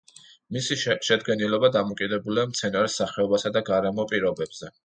მისი შედგენილობა დამოკიდებულია მცენარის სახეობასა და გარემო პირობებზე.